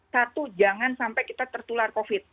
satu jangan sampai kita tertular covid